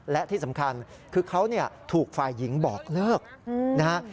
และที่สำคัญคือเขาถูกฝ่ายหญิงบอกเลิกนะฮะ